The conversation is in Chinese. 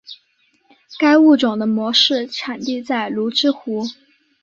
该物种的模式产地在芦之湖。